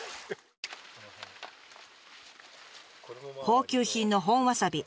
高級品の本わさび。